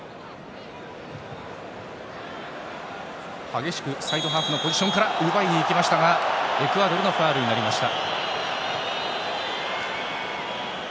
激しくサイドハーフのポジションから奪いにいきましたがエクアドルのファウルになりました。